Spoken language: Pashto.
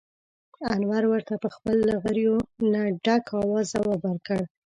انور ورته په خپل له غريو نه ډک اواز ځواب ور کړ: